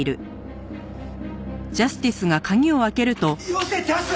よせジャス！